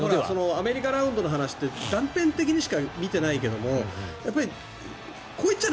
アメリカラウンドの話って断片的にしか見てないけどこう言っちゃ